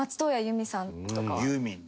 ユーミンね。